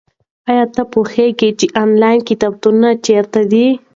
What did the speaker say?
ایا ته پوهېږې چې انلاین کتابتونونه چیرته دي؟